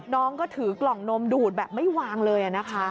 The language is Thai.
น้องก็ถือกล่องนมดูดแบบไม่วางเลยนะคะ